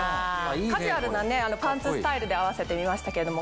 カジュアルなパンツスタイルで合わせてみましたけれども。